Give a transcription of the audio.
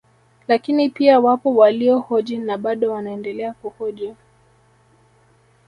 Lakini pia wapo waliohoji na bado wanaendelea kuhoji